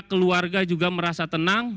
keluarga juga merasa tenang